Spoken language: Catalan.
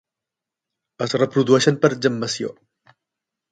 Es reprodueixen per gemmació.